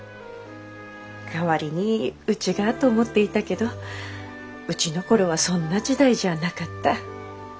代わりにうちがと思っていたけどうちの頃はそんな時代じゃなかった。